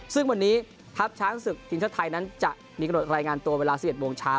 ซึ่งวันนี้ทัพช้างศึกทีมชาติไทยนั้นจะมีกระโดดรายงานตัวเวลา๑๑โมงเช้า